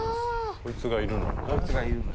こいつがいるの。